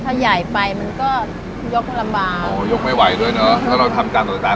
ถ้าใหญ่ไปมันก็ยกลำบากโอ้ยกไม่ไหวด้วยเนอะถ้าเราทำจานต่าง